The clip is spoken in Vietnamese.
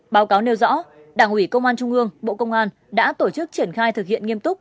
báo cáo nêu rõ đảng ủy công an trung ương bộ công an đã tổ chức triển khai thực hiện nghiêm túc